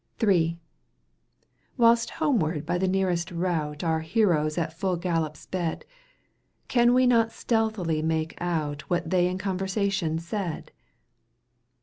III. Whilst homeward by the nearest route Our heroes at full gallop sped, Can we not stealthily make out What they in conversation said